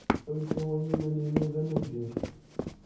Ttḥulfuɣ i yiman-inu d amuddir.